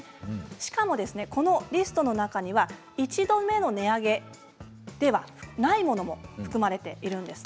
しかも、このリストの中には一度目の値上げではないものも含まれているんです。